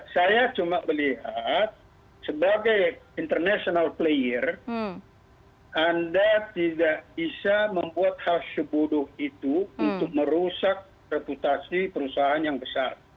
saya cuma melihat sebagai international player anda tidak bisa membuat hal sebodoh itu untuk merusak reputasi perusahaan yang besar